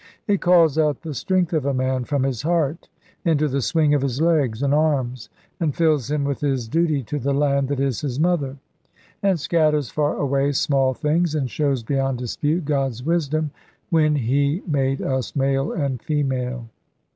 It calls out the strength of a man from his heart, into the swing of his legs and arms, and fills him with his duty to the land that is his mother; and scatters far away small things, and shows beyond dispute God's wisdom, when He made us male and female.